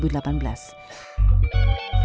kisah pas kiberaika